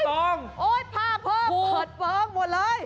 โอ้ยโอ้ยผ้าเพิ่มเผิดเพิ่มหมดเลย